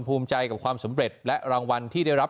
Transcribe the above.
ภูมิใจกับความสำเร็จและรางวัลที่ได้รับ